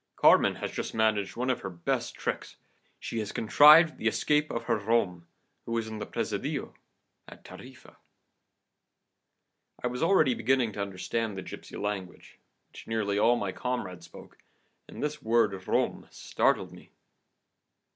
'Carmen has just managed one of her best tricks. She has contrived the escape of her rom, who was in the presidio at Tarifa.' "I was already beginning to understand the gipsy language, which nearly all my comrades spoke, and this word rom startled me.